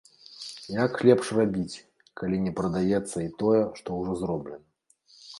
Як лепш рабіць, калі не прадаецца і тое, што ўжо зроблена?